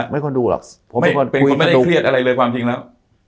เป็นคนไม่เครียดอะไรเลยความจริงแล้ว